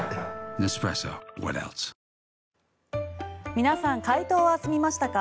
皆さん、解答は済みましたか？